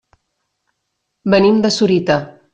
Venim de Sorita.